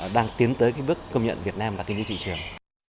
đang tiến tới bước công nhận việt nam là nhân dân trị trường